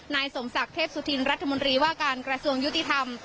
นายสมศักดิ์เทพสุธินรัฐมนตรีว่าการกระทรวงยุติธรรม